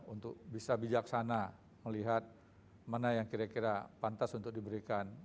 untuk bisa bijaksana melihat mana yang kira kira pantas untuk diberikan